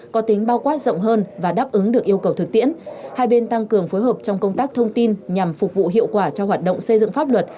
có tính bao quát rộng hơn và đáp ứng được yêu cầu thực tiễn hai bên tăng cường phối hợp trong công tác thông tin nhằm phục vụ hiệu quả cho hoạt động xây dựng pháp luật